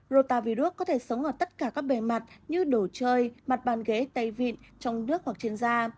rô ta virus có thể sống ở tất cả các bề mặt như đổ chơi mặt bàn ghế tay vịn trong nước hoặc trên da